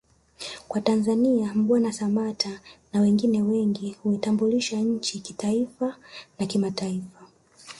kwa Tanzania Mbwana Samata na wengine wengi uitambulisha nchi kitaifa na kimataifa